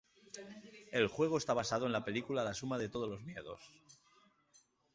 El juego está basado en la película La suma de todos los miedos.